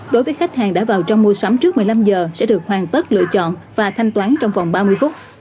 đối với khách hàng đã vào trong mua sắm trước một mươi năm giờ sẽ được hoàn tất lựa chọn và thanh toán trong vòng ba mươi phút